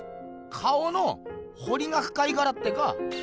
顔のほりがふかいからってか？